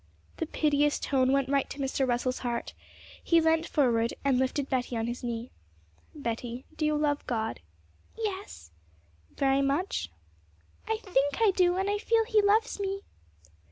The piteous tone went right to Mr. Russell's heart. He leant forward and lifted Betty on his knee. 'Betty, do you love God?' 'Yes.' 'Very much?' 'I think I do, and I feel He loves me.'